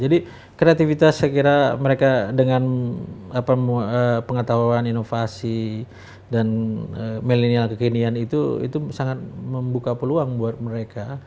jadi kreativitas saya kira mereka dengan pengetahuan inovasi dan milenial kekinian itu sangat membuka peluang buat mereka